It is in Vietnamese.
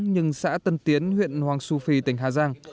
nhưng xã tân tiến huyện hoàng su phi tỉnh hà giang